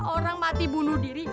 orang mati bunuh diri